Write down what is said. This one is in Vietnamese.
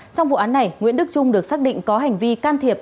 trong vụ án này nguyễn đức trung được xác định có hành vi can thiệp